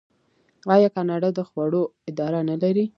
آیا کاناډا د خوړو اداره نلري؟